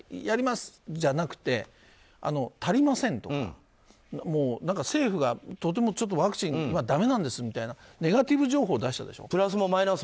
やりますじゃなくて足りませんとか政府が、とてもワクチンだめなんですみたいなネガティブ情報を出したでしょ。